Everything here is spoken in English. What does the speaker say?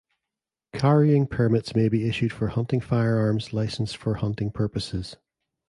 Carrying permits may be issued for hunting firearms licensed for hunting purposes.